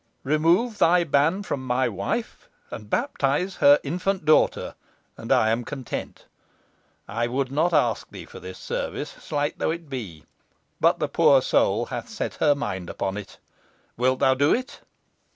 Remove thy ban from my wife, and baptise her infant daughter, and I am content. I would not ask thee for this service, slight though it be, but the poor soul hath set her mind upon it. Wilt thou do it?"